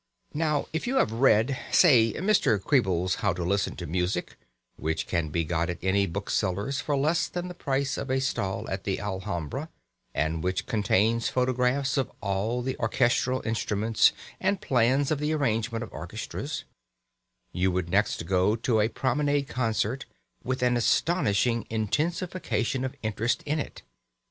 Now, if you have read, say, Mr. Krehbiel's "How to Listen to Music" (which can be got at any bookseller's for less than the price of a stall at the Alhambra, and which contains photographs of all the orchestral instruments and plans of the arrangement of orchestras) you would next go to a promenade concert with an astonishing intensification of interest in it.